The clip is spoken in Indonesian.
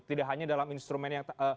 tidak hanya dalam instrumen yang